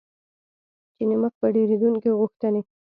چې د مخ په ډیریدونکي غوښتنې